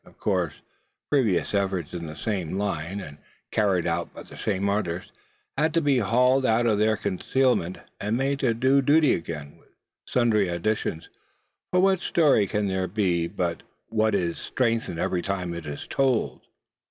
Of course previous efforts in the same line, and, carried out by the same artist, had to be hauled out of their concealment, and made to do duty again, with sundry additions; for what story can there be but what is strengthened every time it is told?